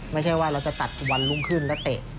ไม่ใช่ว่าเราจะตัดวันรุ่งขึ้นแล้วเตะ